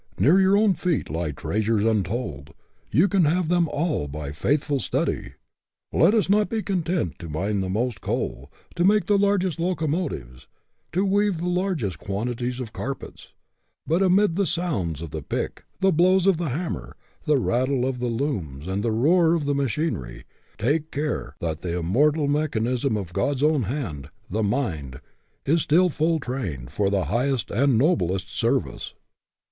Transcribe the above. Near your own feet lie treasures untold; you can have them all by faithful study. " Let us not be content to mine the most coal, to make the largest locomotives, to weave the largest quantities of carpets ; but, amid the sounds of the pick, the blows of the hammer, the rattle of the looms, and the roar of the machinery, take care that the immortal mech anism of God's own hand the mind is still full trained for the highest and noblest service."